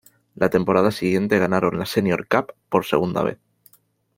La temporada siguiente ganaron la "Senior Cup" por segunda vez.